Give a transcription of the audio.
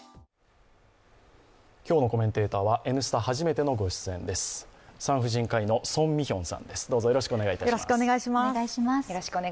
今日のコメンテーターは「Ｎスタ」初めてのご出演です、産婦人科医の宋美玄さんです。